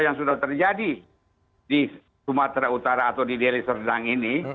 yang sudah terjadi di sumatera utara atau di deli serdang ini